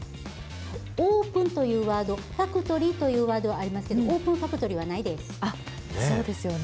オープンというワード、ファクトリーというワードはありますけど、オープンファクトリーはないです。